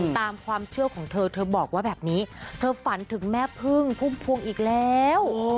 ตามความเชื่อของเธอเธอบอกว่าแบบนี้เธอฝันถึงแม่พึ่งพุ่มพวงอีกแล้ว